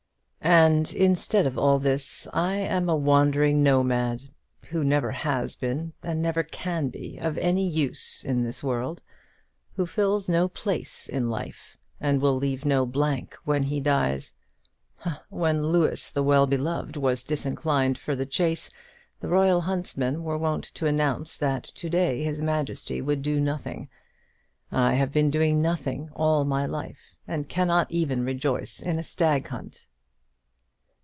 "And, instead of all this, I am a wandering nomad, who never has been, and never can be, of any use in this world; who fills no place in life, and will leave no blank when he dies. When Louis the Well beloved was disinclined for the chase, the royal huntsmen were wont to announce that to day his majesty would do nothing. I have been doing nothing all my life, and cannot even rejoice in a stag hunt."